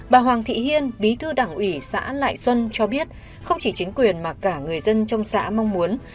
bà hoàng thị hiên bí thư đảng ủy xã lại xuân cho biết không chỉ chính quyền mà cả người dân trong xã mong muốn